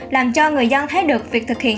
làm cho người dân thấy được việc thực hiện